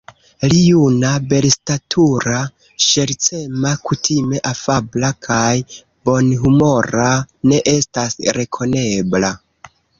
Li, juna, belstatura, ŝercema, kutime afabla kaj bonhumora, ne estas rekonebla.